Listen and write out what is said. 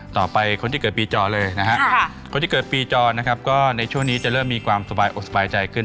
คนที่เกิดปีจอเลยนะฮะคนที่เกิดปีจอนะครับก็ในช่วงนี้จะเริ่มมีความสบายอกสบายใจขึ้น